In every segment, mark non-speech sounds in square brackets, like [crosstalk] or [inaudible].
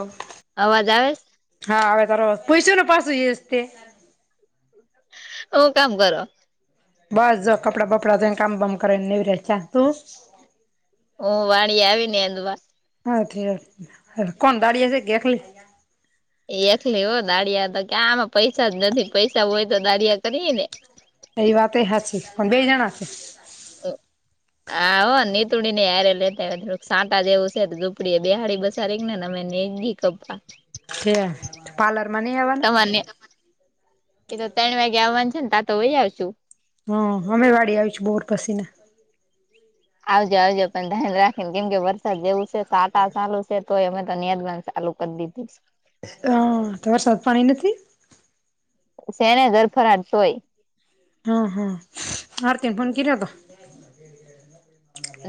અઠ [unintelligible] અવાજ આવે હા હવે તાર પૈસો ન પાસું જ તે હું કામ કર બસ જો કપડા બપડા જને કામ બમ કરેને નીવરા્યા છેા તું હ વાણી આવી ને અંદવા હાી કોણ દાડીએ છે ગે ખલી એ એકલે હો દાળિયા તો કે્યા આમાં પૈસા જ નથી પૈસા હોય તો દાળયા કરીએ ને એઈ વાત એ હ છેી પણ બે જણા છે હ [unintelligible] હા હો નીતુળ ને હારે લેતા સાંટા જેવું છે ઝૂપડી એ બેહાડી બચારી ને ને અમે નેજ મી કબા [unintelligible] કે પાર્લર માં ન આવેવા તમા મને એ તો ત્રણ વાગે આવવાનું છે ને તા તો વહી આવશુ હ અમે વાડી આવીશું બોર પસી ને આવજો આવજો પણ ધ્યાન રાખીને કેમ કે વરસાદ જેવું છે સાટા ચાલુ તો અમે તનદન ચાલુ કરી દીધી હા તમાર સાદ પાણી નથી શેને ધરફરાટ જોોય હમ હા આરતીન ફોન કીરતો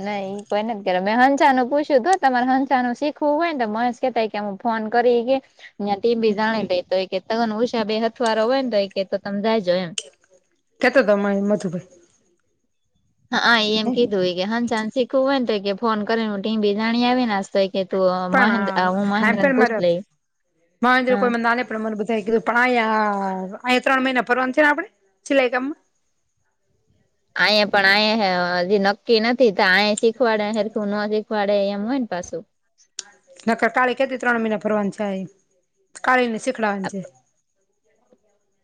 નઈ ઈ કોઈ નથી કર મેં હંસાાનું પૂછ્યું તો તમારે હંસાાનું શીખવું હોય ને મ ત કેું ફોન કરીઈ કે ત્યાં તે બી જાણી લ તો હોય કે તગન ઉછા બે હથવારો હોય ને તો હોય કે તો તમે જાયજો એમ કેત તય મધુભાઈ હા એમ કીધું હોય કે હાંચાનું શીખવું હોય ને તો કે ફોન કરી ટીમ બી જાણી આવીન શે પણ હે મર લઈ મોન્દ્ર હા કોઈ મ ના પણ મને બધું કીધું પણ અયા અહીંયા ત્રણ મહિના ભરવાનું છે આપણે સિલાઈ કામમાં આયા પણ આયા અ હજી નક્કી નથી આ શીખવાડે હરખું ન શીખવાડે એમ હોય ને પાછું નકર કાળી કેતીતી ત્રણ મહિના ભરવાની છે આ કાળી ને શીખડવાની છે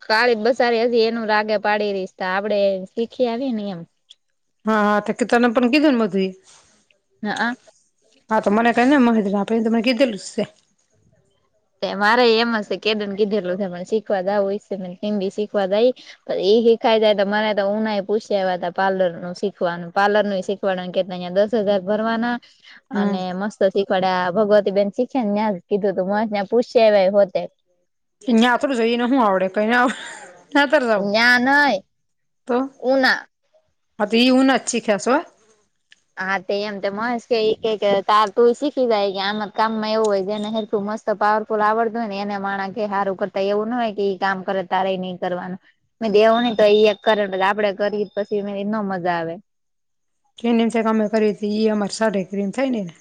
કાળી બસારી હજી એનું રાગે પાડી રશ તો આપડે શીખી આવીએ ને એમ હા હા તો કે તને પણ કીધું બધુંય. હ આ. હા તો મને કઈ ને એ તો મને કીધેલું છે. મારે એમ છે કેદીનું કીધેલુંને શીખવા જાવ હશે ને તો શીખવા જઈશ. ઈ શીખાય જાય મને તો ઉનાય પૂછી આયવાતા પાર્લર નું શીખવાનું પાર્લર નું શીખ [unintelligible] દસ હજાર ભરવાના હમ અને મસ્ત શીખવાડે આ ભગવતી બેેન શીખે ન્યાજ કીધું તું પૂછ્યા ઇવા હોત. યા તો ભી જઈને શું આવડે કઈ આવડે. ન્યા નય [unintelligible] તો ઉના એવુ નથી કરતો. હા તે એમ તો મહેશ કે એક તાર તું શીખી જાય કે આમ કામમાં એવું હોય જેને હેરખું મસ્ત તો પાવરફુલ આવડતું હોય ને એને માણા કે સારું કરતા એવું ન હોય કે કામ કરે તારે એ નહીં કરવાનું. મેં દેવો નહ તો એ એક કરે ને આપડે કરી પછી એનો મજા આવે. કે નિચે અમે કરીતી ઈ અમાર સડે ક્રીમ થાય ને.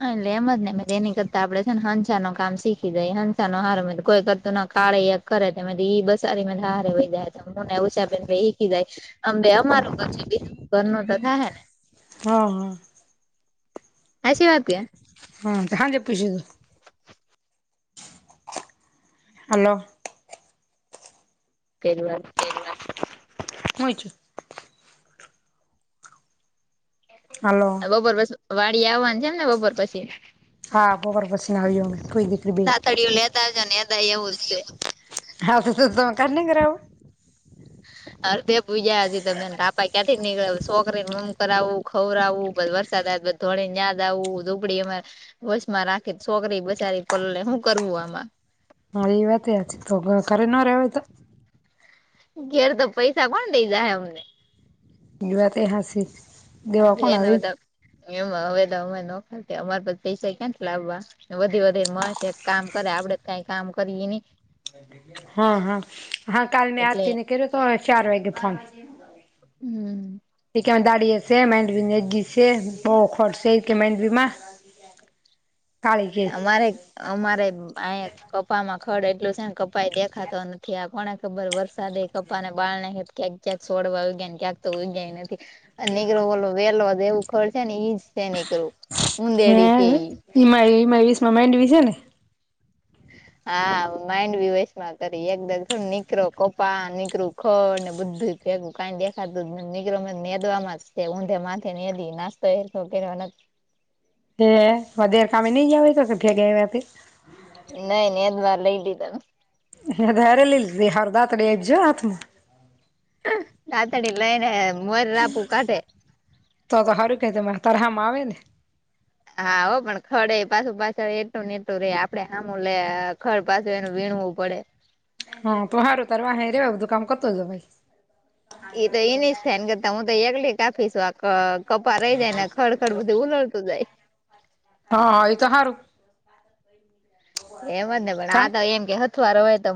હા એટલે એમ જ ને એની કરતા આપડે છે ને હંસા નો કામ શીખી જાયએ હંસા નો હારો કોઈ કરતું ના થાળી એક કરે મે કીધુ ઈ બસારી હારે લઈ જાય મને હું ને ઉષાબેન ઈકી જાય અ બે અમારું પછી ઘર નુ તો થાય હે ને હા હા. એસી બાત ક્યાં હા હાજે પુછીજો હાલો. એકલા મુચ [inaudible] હાલો. બપોર પછી વાડી આવવાની છે બપોર પછી હા બપોર પછી આવી અમે ફુઇ દિકરી બેય થળિયુ લેતા જા નેદા એવું જ છે. હા તો તમેં કામ નહી કરાવો [inaudible] અર્ધે પૂજા હજી તમેને તાપા ક્યાંથી નીકળે છોકરીને મમ કરા આવું ખવરાઆવું બધ વરસાદ આવ બધ ધોળીને યાજાવુ ઝૂંપડી માં વસ માં રાખી છોકરી બચારી પલળે શું કરવું આમાં હા એ વાત સાચી તો ઘરે ના રહેવાય તો ઘેર તો પૈસા કોણ દઈ જાય હ અમને ઈ વાતય સાચી. હા ભાઈ એને બધા એમાં હવે તો અ નોખર અમારે પૈસા ક્ વધવધી મળશે કામ કરે આપડે કઈ કામ કરીએ નહી. હા હા કાલ મેં એટલે આરતી ને કઈરોતો ચાર વાગે ફોન હમ. [unintelligible] [inaudible] કાળી કે અમારે. અમારે આ કપામાં ખડ એટલું છે કપાય દેખાતો નથી આ કોને ખબર વરસાદે ક તોફા ને બારણે યાંક ક્યાંક છોડવા ઊગ્યા ને ક્યાંક તો ઊગ્યા ય નથી. નીકરો ઓલો વેલો દેવું ખડ છે ને ઈજ છે નીકરું ઊંદેડી કે હિમાય હમાય વસ માં માંડવી છે ને. હા માઇન્ડ બ વશ માં કરી એકદમ નીકરો કોપા નીકરું. ખ ને બધું ભેગું ક દેખાતું નીકળ ને છે ઊંધે માથેી નાસ તો ખગરવાના. હધેર કામે નઈ જવા તોઠ ગયા. નહી ન અદવાર લ એટધ. હ ધરે લ હરદા તડી આપ આવીજો હામાં. તતાડીલા એને તો તો સારું કે ત તારે હામાં આવે ને હા હો પણ ખડ એ પાછું પાછળ એટલું નેટું રે આપડે આમું લે ખડ પાછું એનું વીણવું પડે. હા તો સારું તાર રેવા બધું કામ કરતોજ ભાઈ એ તો એની થાય ને કરતા હું તો એકલી કાપીશું આ કપા રહી જાય ને ખડ ખડ બધું ઉલડતું જાય હા એ તો હારું. એમ જ ને કા પણ આ એમ કે અથવાર હોય તો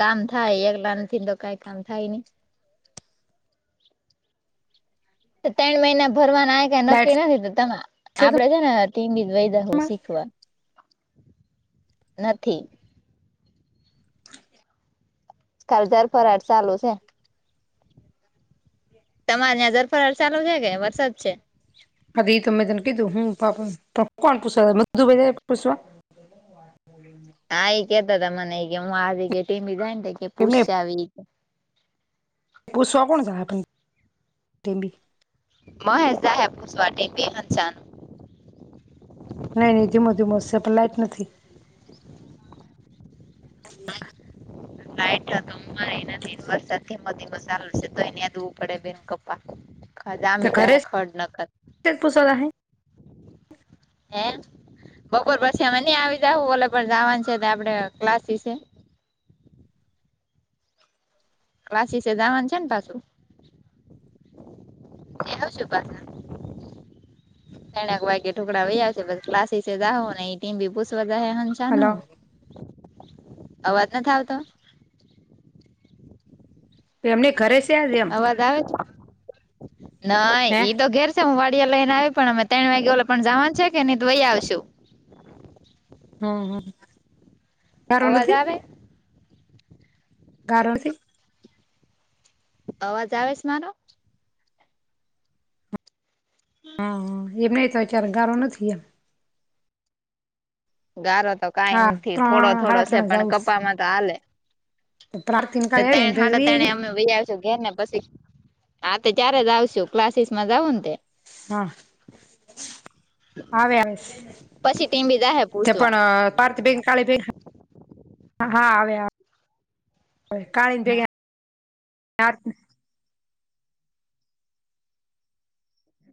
કામ થાય એક લન થીને તો કઈ કામ થાય નહી. ત્રણ મહિના ભરવાનાય ક નક્કી લાઈટ નથી તમે આપડે છે ને ટીમ બીજ વૈદહ શીખવા નથી કાલજાર પરાઠ ચાલુ છે. તમાર જર ફરળ ચાલુ છે કે વરસાદ છે? [unintelligible] હા એ કેતા હતા મને એ કે હું આજ કેીમી જાય ને કે એમને પૂછ આવી. પૂછવા કોણ ક આપી. મપસ વા બ હનચ નઈ નં ધીમ ધીમોશે પણ લાાઈટ નથી હમ્મ. આઠ તો એ નથી વરસાદ થી ધ મસાલ છે તો એને્યા દવું પડે બેન કપ્પા ખામી દ ખડ નખ પુસલાય. હે બપોર પછી અમાં નહી આવી જાવું ઓલે પણ જવાનું છે આપડે ક્લાસી છે. વાસી સ જાવાન છે ને પાછું. [unintelligible] એક વાગ્ય ટુકડા વૈયા છે ક્લાસીો એ ટીમ બી પૂછવા હલો હમ્મ અવાજ નથી આવતો? તો એમને ઘરે છે આજ એમ અવાજ આવે છે ના હે ઈ તો ઘેર હું વાડીિયા લઈ ને આવી પણ અમે ત્રણ વાગે ઓ પણ જવાન છે કે નહી તો વહી આવસે. હમ્મ હમ્મ. અવાજ આવે? [unintelligible] અવાજ આવે છે મારો? હા એમ નહ તો અચાર ગારો નથી એમ ગારો તો કઈ હા નથી થોડો ત્રણ થોડો સાડા છે ત્રણ જ પણ આવું કપામાં તો હાલે પ્રાર્થી ને કાલે તે આવીને હા તે ભેગવી અમે. શ ઘેર ને પછી હા તે ત્યારે જ આવશુ ક્લાસીસ માં જવું ને તે. હા. આવે આવે પછી ટીમ બી જાહે પૂછવા પણ પારતી બેગ કાળ. [unintelligible] હા આવે આવે કાળીની ભેગા રા